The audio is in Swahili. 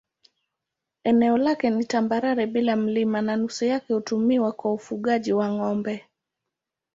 Eneo lake ni tambarare bila milima na nusu yake hutumiwa kwa ufugaji wa ng'ombe.